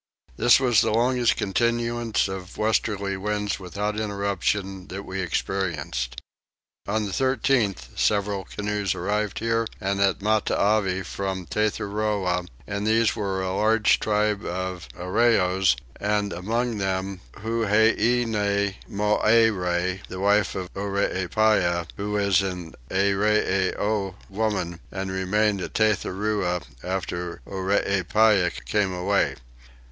This was the longest continuance of westerly winds without interruption that we experienced. On the 13th several canoes arrived here and at Matavai from Tethuroa: in these were a large tribe of Arreoys, and among them Huheine Moyere, the wife of Oreepyah, who is an Arreoy woman, and remained at Tethuroa after Oreepyah came away.